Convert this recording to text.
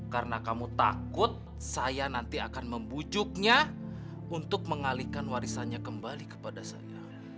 karena kamu takut saya nanti akan membujuknya untuk mengalihkan warisannya kembali kepada saya